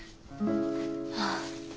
ああ